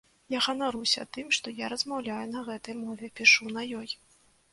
Я ганаруся тым, што я размаўляю на гэтай мове, пішу на ёй.